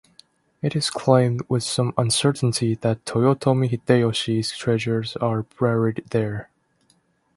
It is claimed, with some uncertainty, that Toyotomi Hideyoshi's treasures are buried there.